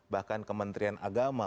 bahkan kementerian agama